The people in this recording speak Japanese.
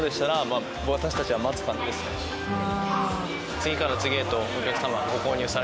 次から次へとお客様ご購入されますね。